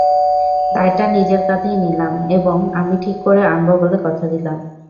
দায়টা নিজের কাঁধেই নিলাম এবং আমি ঠিক করে আনব বলে কথা দিলাম।